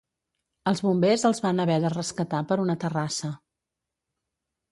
Els bombers els van haver de rescatar per una terrassa.